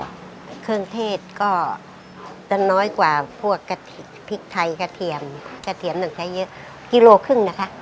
เครื่องเทศก็จะน้อยกว่าพวกกะทิพริกไทยกระเทียมกระเทียมหนึ่งใช้เยอะกิโลครึ่งนะคะ